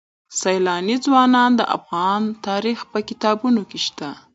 سیلاني ځایونه د افغان تاریخ په کتابونو کې شته.